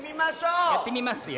やってみますよ。